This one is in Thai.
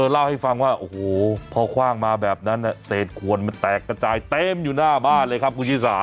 เล่าให้ฟังว่าโอ้โหพอคว่างมาแบบนั้นเศษขวนมันแตกกระจายเต็มอยู่หน้าบ้านเลยครับคุณชิสา